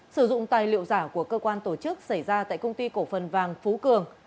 sử dụng tài liệu giả của cơ quan tổ chức xảy ra tại công ty cổ phần vàng phú cường